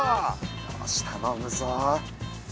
よし頼むぞ。